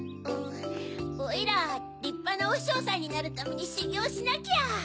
おいらりっぱなおしょうさんになるためにしゅぎょうしなきゃ。